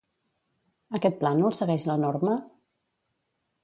Aquest plànol segueix la norma?